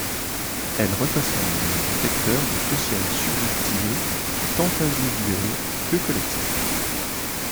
Elles refaçonnent les vecteurs du social subjectivé tant individuel que collectif.